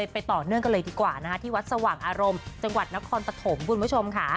ต่อเนื่องกันเลยดีกว่าที่วัดสว่างอารมณ์จังหวัดนครปฐมคุณผู้ชมค่ะ